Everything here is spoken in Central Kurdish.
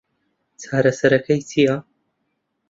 چارەسەرەکەی چییە؟